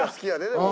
でも。